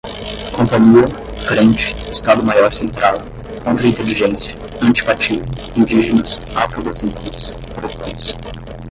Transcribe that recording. companhia, frente, estado-maior central, contra-inteligência, antipatia, indígenas, afrodescendentes, grotões